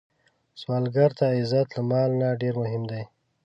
سوالګر ته عزت له مال نه ډېر مهم دی